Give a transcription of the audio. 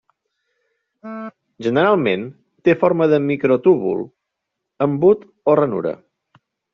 Generalment té forma de microtúbul, embut o ranura.